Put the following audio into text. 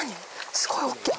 すごい大っきい。